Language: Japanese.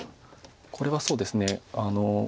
これはそうですね。